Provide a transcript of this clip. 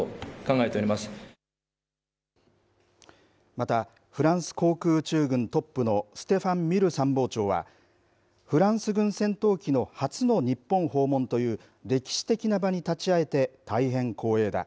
またフランス航空宇宙軍トップのステファン・ミル参謀長はフランス軍戦闘機の初の日本訪問という歴史的な場に立ち会えて大変光栄だ。